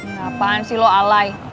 ngapain sih lu alay